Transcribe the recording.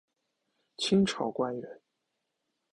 清朝官员。